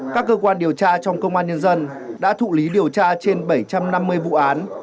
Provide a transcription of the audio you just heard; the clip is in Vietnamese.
các cơ quan điều tra trong công an nhân dân đã thụ lý điều tra trên bảy trăm năm mươi vụ án